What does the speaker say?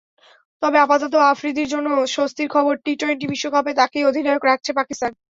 তবে আপাতত আফ্রিদির জন্য স্বস্তির খবর, টি-টোয়েন্টি বিশ্বকাপে তাঁকেই অধিনায়ক রাখছে পাকিস্তান।